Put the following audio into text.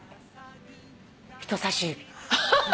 人さし指。